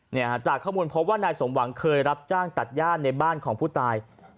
จากข้อมูลพบว่านายสมหวังเคยรับจ้างตัดย่านในบ้านของผู้ตาย